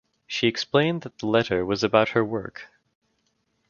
She explained that the letter was about her work.